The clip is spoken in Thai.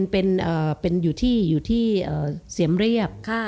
เป็นอยู่ที่เสียมเรียบ